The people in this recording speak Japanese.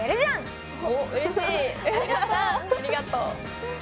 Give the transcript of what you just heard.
ありがとう。